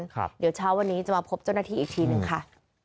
เดี๋ยวเช้าวันนี้จะมาพบเจ้าหน้าที่อีกทีหนึ่งค่ะ